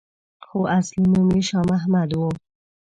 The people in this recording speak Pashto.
خو اصلي نوم یې شا محمد وو.